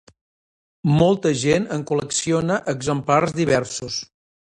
Molta gent en col·lecciona exemplars diversos.